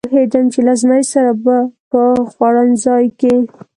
نه پوهېدم چې له زمري سره به په خوړنځای کې.